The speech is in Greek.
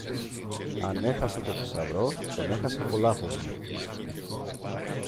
Αν έχασα το θησαυρό, τον έχασα από λάθος μου.